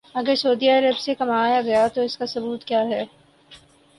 اگر سعودی عرب سے کمایا گیا تو اس کا ثبوت کیا ہے؟